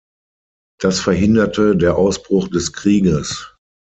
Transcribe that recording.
Das verhinderte der Ausbruch des Krieges.